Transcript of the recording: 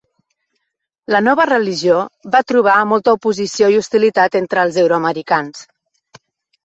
La nova religió va trobar molta oposició i hostilitat entre els euro-americans.